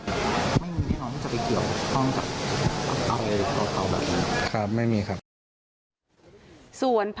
หลังคราวที่ต้องกระเสี่ยงค่ะ